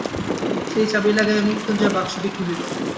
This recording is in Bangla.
সেই চাবি লাগাইয়া মৃত্যুঞ্জয় বাক্সটি খুলিল।